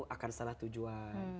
akan salah tujuan